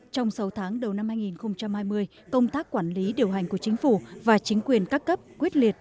trong sáu tháng đầu năm hai nghìn hai mươi công tác quản lý điều hành của chính phủ và chính quyền các cấp quyết liệt